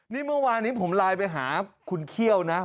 นี่เมื่อวานนี้ผมไลน์ไปหาคุณเขี้ยวนะ